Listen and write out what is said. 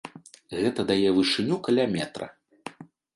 Гэта дае вышыню каля метра.